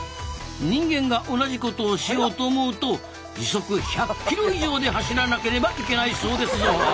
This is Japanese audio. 人間が同じことをしようと思うと時速１００キロ以上で走らなければいけないそうですぞ。